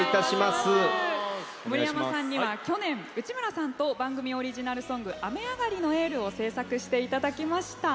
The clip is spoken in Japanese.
森山さんには去年、内村さんと番組オリジナルソング「雨上がりのエール」を制作していただきました。